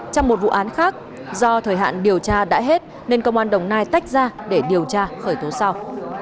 trong một vụ án khác do thời hạn điều tra đã hết nên công an đồng nai tách ra để điều tra khởi tố sau